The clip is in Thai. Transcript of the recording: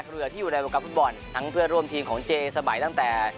เรือที่อยู่ในวงการฟุตบอลทั้งเพื่อนร่วมทีมของเจสมัยตั้งแต่